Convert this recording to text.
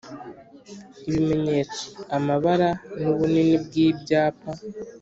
Ibimenyetso amabara n’ubunini bw’ibyapa